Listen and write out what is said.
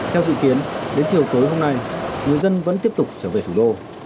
theo dự kiến đến chiều tối hôm nay người dân vẫn tiếp tục trở về thủ đô